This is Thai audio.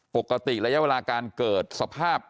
ปกติระยะเวลาการเกิดสภาพ